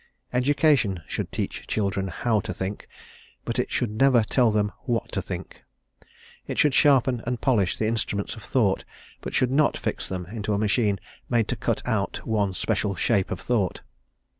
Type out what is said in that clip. Education should teach children how to think, but should never tell them what to think. It should sharpen and polish the instruments of thought, but should not fix them into a machine made to cut out one special shape of thought.